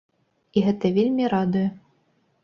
І гэта вельмі радуе.